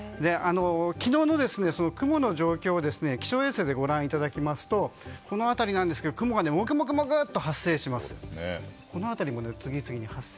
昨日の雲の状況を気象衛星でご覧いただきますとこの辺りですが雲がモクモクと発生します。